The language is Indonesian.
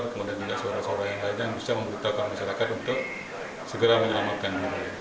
kemudian juga suara suara yang lain yang bisa memberitahukan masyarakat untuk segera menyelamatkan